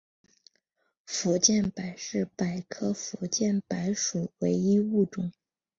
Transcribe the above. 福建柏是柏科福建柏属唯一物种。